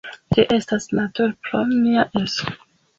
Ĝi estas nature pro mia edzo.